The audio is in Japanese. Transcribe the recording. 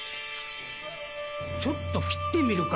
ちょっと切ってみるか。